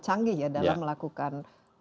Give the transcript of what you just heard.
canggih ya dalam melakukan